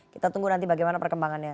kita tunggu nanti bagaimana perkembangannya